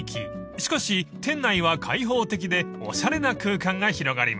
［しかし店内は開放的でおしゃれな空間が広がります］